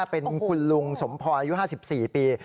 เป็นคุณลุงสมพรอายุ๕๔ปี